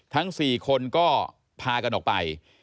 ทั้ง๔คนก็พากันออกไป